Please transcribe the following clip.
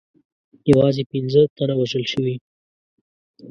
یوازې پنځه تنه وژل سوي.